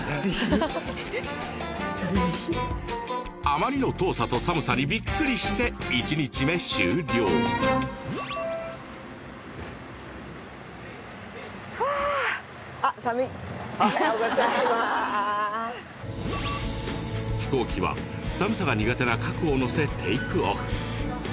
あまりの遠さと寒さにびっくりしてはぁ飛行機は寒さが苦手な賀来を乗せテークオフ